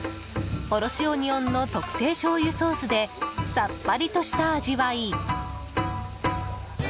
おろしオニオンの特製しょうゆソースでさっぱりとした味わい。